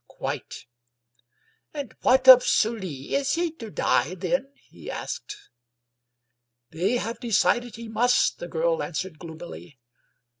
»" Quite." " And what of Sully? Is he to die then? " he asked. " They have decided he must," the girl answered gloom ily.